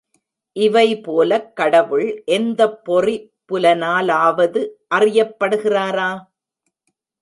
இவை போலக் கடவுள் எந்தப் பொறி புலனாலாவது அறியப்படுகிறாரா?